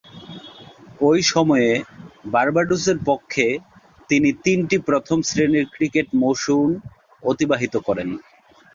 ঐ সময়ে বার্বাডোসের পক্ষে তিনি তিনটি প্রথম-শ্রেণীর ক্রিকেট মৌসুম অতিবাহিত করেন।